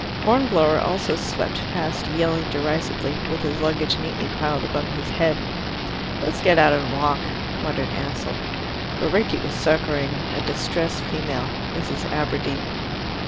Hornblower also swept past yelling derisively, with his luggage neatly piled above his head. "Let's get out and walk," muttered Ansell. But Rickie was succouring a distressed female Mrs. Aberdeen.